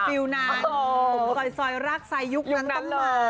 ฟิลว์นานผมซอยรากใส่ยุคนั้นต้องมา